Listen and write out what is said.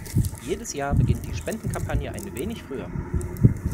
Jedes Jahr beginnt die Spendenkampagne ein wenig früher.